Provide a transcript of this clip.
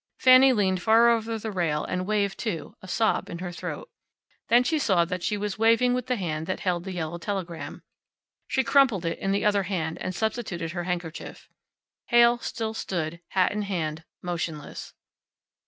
Fanny leaned far over the rail and waved too, a sob in her throat. Then she saw that she was waving with the hand that held the yellow telegram. She crumpled it in the other hand, and substituted her handkerchief. Heyl still stood, hat in hand, motionless.